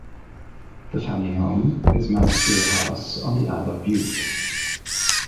The family home is Mount Stuart House on the Isle of Bute.